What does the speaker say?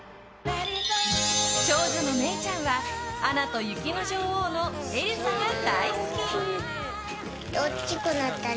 長女の芽唯ちゃんは「アナと雪の女王」のエルサが大好き。